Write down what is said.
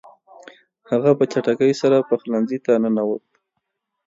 هغه په چټکۍ سره پخلنځي ته ننووت.